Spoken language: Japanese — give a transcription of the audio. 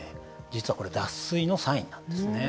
実はこれ脱水のサインなんですね。